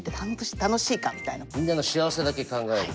みんなの幸せだけ考える。